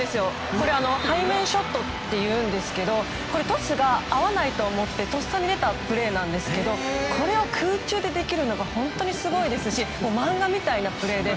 これ、背面ショットというんですけどトスが合わないと思ってとっさに出たプレーなんですけどこれを空中でできるのが本当にすごいですし漫画みたいなプレーで。